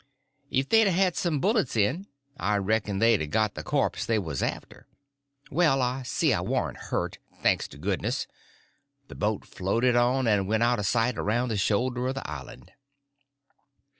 If they'd a had some bullets in, I reckon they'd a got the corpse they was after. Well, I see I warn't hurt, thanks to goodness. The boat floated on and went out of sight around the shoulder of the island.